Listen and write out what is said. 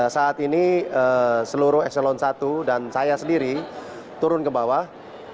saat ini seluruh eselon i dan saya sendiri turun ke bawah